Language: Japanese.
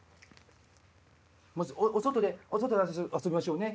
お外でお外で遊びましょうね！